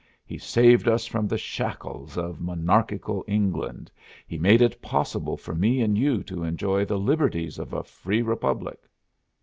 He saved us from the shackles of monarchical England; he made it possible for me and you to enjoy the liberties of a free republic."